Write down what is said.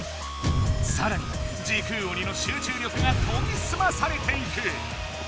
さらに時空鬼の集中力がとぎすまされていく。